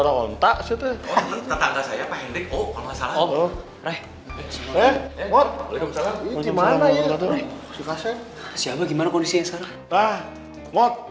saya mau berpisahan sama telatuhan si abah